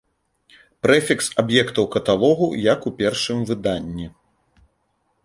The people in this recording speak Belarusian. Прэфікс аб'ектаў каталогу як у першым выданні.